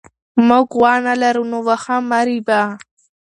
موږ غوا نه لرو نو واښه مه رېبه.